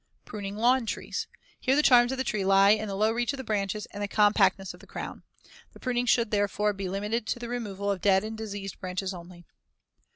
Pruning lawn trees: Here the charm of the tree lies in the low reach of the branches and the compactness of the crown. The pruning should, therefore, be limited to the removal of dead and diseased branches only.